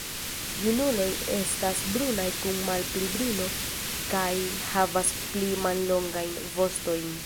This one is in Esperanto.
Junuloj estas brunaj kun malpli brilo kaj havas pli mallongajn vostojn.